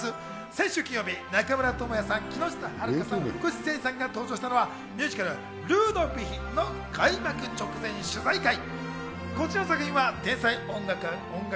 先週金曜日、中村倫也さん、木下晴香さん、福士誠治さんが登場したのは、ミュージカル『ルードヴィヒ』の開幕直前取材会。